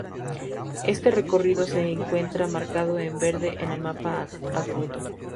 Este recorrido se encuentra marcado en verde en el mapa adjunto.